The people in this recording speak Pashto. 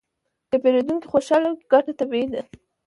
که پیرودونکی خوشحاله وي، ګټه طبیعي ده.